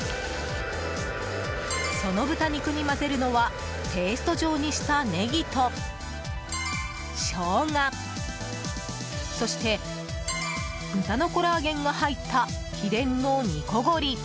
その豚肉に混ぜるのはペースト状にしたネギとショウガそして豚のコラーゲンが入った秘伝の煮こごり。